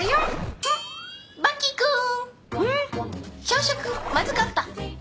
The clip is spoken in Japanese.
朝食まずかった。